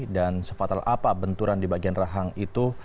dan sefatal apa benturan di bagian rahang itu